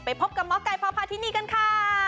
ไปพบกับหมอกัยพาวพาธินีกันค่ะ